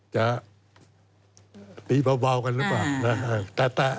จะตีเบากันหรือเปล่า